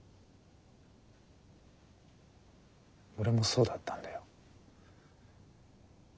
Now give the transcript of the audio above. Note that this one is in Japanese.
俺もそうだったんだよ。